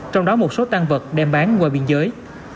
trong đó một số tan vật đem bán qua biên giới